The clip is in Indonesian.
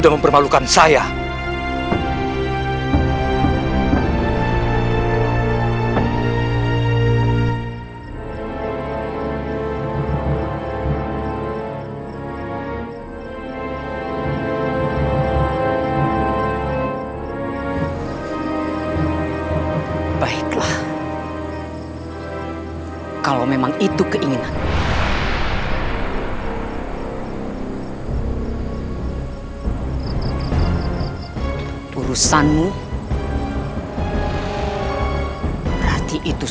apa yang kau buat